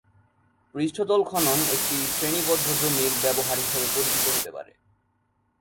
পৃষ্ঠতল খনন একটি শ্রেণীবদ্ধ জমির ব্যবহার হিসাবে পরিচিত হতে পারে।